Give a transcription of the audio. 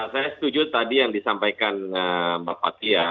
saya setuju tadi yang disampaikan mbak fatih ya